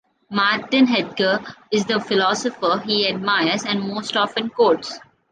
Martin Heidegger is the philosopher he admires and most often quotes.